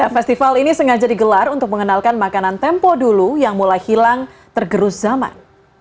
festival ini sengaja digelar untuk mengenalkan makanan tempo dulu yang mulai hilang tergerus zaman